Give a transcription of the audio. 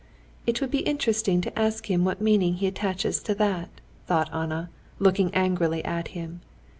"It would be interesting to ask him what meaning he attaches to that," thought Anna, looking angrily at him.